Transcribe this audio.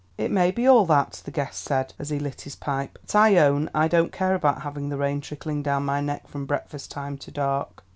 "It may be all that," the guest said, as he lit his pipe; "but I own I don't care about having the rain trickling down my neck from breakfast time to dark."